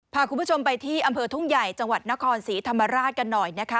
พาคุณผู้ชมไปที่อำเภอทุ่งใหญ่จังหวัดนครศรีธรรมราชกันหน่อยนะคะ